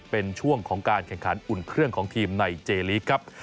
เป็นช่วงของการแข่งขันอุ่นเครื่องของทีมในเจลีกครับ